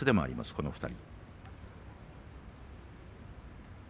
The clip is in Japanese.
この２人。